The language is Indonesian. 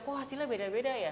oh hasilnya beda beda ya